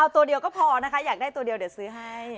ตัวเดียวก็พอนะคะอยากได้ตัวเดียวเดี๋ยวซื้อให้